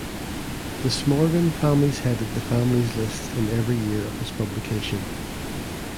The Smorgon families headed the families list in every year of its publication.